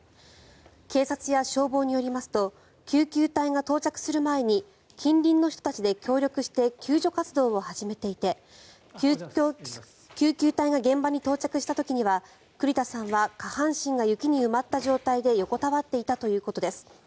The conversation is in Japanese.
警察や消防によりますと救急隊が到着する前に近隣の人たちで協力して救助活動を始めていて救急隊が現場に到着した時には栗田さんは下半身が雪に埋まった状態で横たわっていたということです。